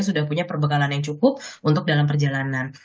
sudah punya perbekalan yang cukup untuk dalam perjalanan